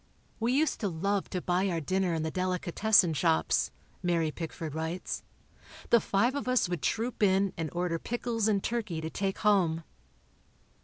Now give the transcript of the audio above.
We used to love to buy our dinner in the delicatessen shops [Mary Pickford writes]. The five of us would troop in and order pickles and turkey to take home.